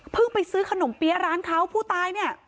เพิ่งไปซื้อขนมเปี๊ยะร้านเท้าผู้ตาย